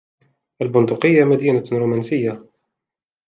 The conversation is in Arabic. البندقية مدينة رومنسية.